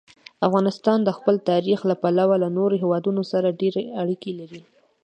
افغانستان د خپل تاریخ له پلوه له نورو هېوادونو سره ډېرې اړیکې لري.